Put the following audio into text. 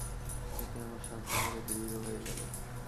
এতে আমার সন্দেহ আরো দৃঢ় হয়ে গেল।